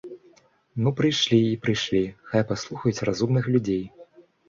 Ну, прыйшлі і прыйшлі, хай паслухаюць разумных людзей.